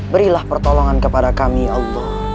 berilah pertolongan kepada kami allah